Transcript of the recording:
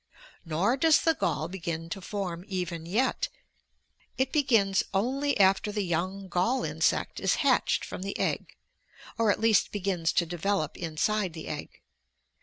Nor does the gall begin to form even yet. It begins only after the young gall insect is hatched from the egg, or at least begins to develop inside the egg.